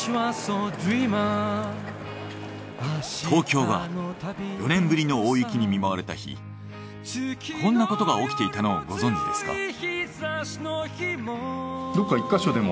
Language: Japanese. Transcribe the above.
東京が４年ぶりの大雪に見舞われた日こんなことが起きていたのをご存じですか？